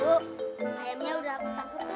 bu ayamnya udah ketang ketang